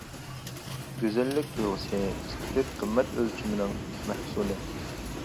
گۈزەللىك تۇيغۇسى ئېستېتىك قىممەت ئۆلچىمىنىڭ مەھسۇلى.